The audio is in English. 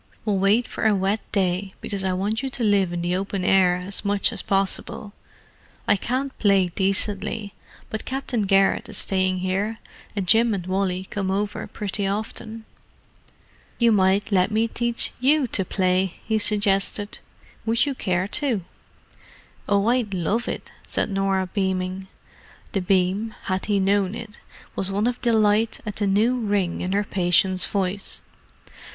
We'll wait for a wet day, because I want you to live in the open air as much as possible. I can't play decently, but Captain Garrett is staying here, and Jim and Wally come over pretty often." "You might let me teach you to play," he suggested. "Would you care to?" "Oh, I'd love it," said Norah, beaming. The beam, had he known it, was one of delight at the new ring in her patient's voice.